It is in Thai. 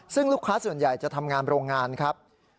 ซึ่งลูกค้าส่วนใหญ่จะทำงานโรงงานครับ